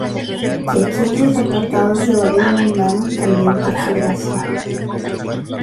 que aquellas apartadas de la vida mundana, también por su Gracia...